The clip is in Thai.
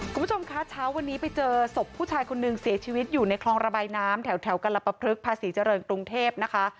คุณผู้ชมคะเช้าวันนี้ไปเจอศพผู้ชายคนนึงเสียชีวิตอยู่ในคลองระบายน้ำแถวกรปพลึกภาษีเจริญกรุงเทพนะคะ